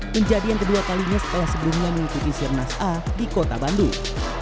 penjadian kedua kalinya setelah sebelumnya mengikuti sirnas ain di kota bandung